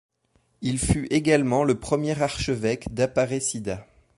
Il fut également le premier archevêque d'Aparecida.